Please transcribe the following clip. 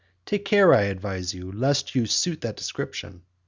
take care, I advise you, lest you suit that description.